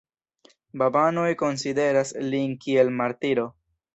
Babanoj konsideras lin kiel martiro.